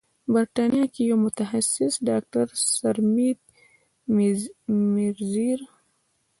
بریتانیا کې یو متخصص ډاکتر سرمید میزیر